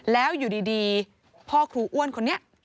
แล้วอยู่ดีพ่อครูอ้วนคนนี้